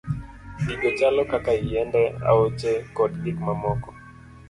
Gigo chalo kaka yiende, aoche, kod gik mamoko.